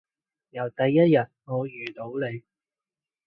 由第一日我遇到你